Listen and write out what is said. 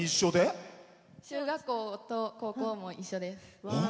中学校と高校も一緒です。